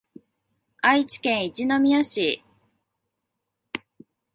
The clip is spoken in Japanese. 愛知県一宮市